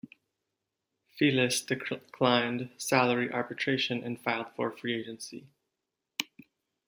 Feliz declined salary arbitration and filed for free agency.